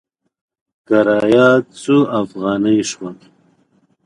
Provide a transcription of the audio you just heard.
کرایه څو افغانې شوه؟